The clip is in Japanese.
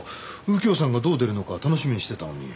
右京さんがどう出るのか楽しみにしてたのに。